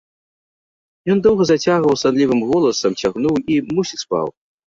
Ён доўга зацягнуў санлівым голасам, цягнуў і, мусіць, спаў.